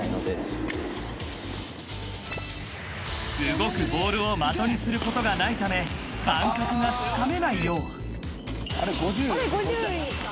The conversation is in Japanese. ［動くボールを的にすることがないため感覚がつかめないよう］